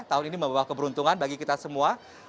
tahun ini membawa keberuntungan bagi kita semua